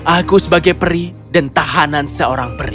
aku sebagai peri dan tahanan seorang peri